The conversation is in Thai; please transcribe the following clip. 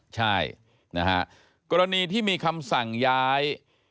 ใช่นะฮะกรณีที่มีคำสั่งย้าย